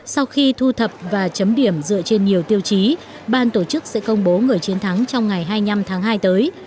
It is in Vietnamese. sau khi thu thập và chấm điểm dựa trên nhiều tiêu chí ban tổ chức sẽ công bố người chiến thắng trong ngày hai mươi năm tháng hai tới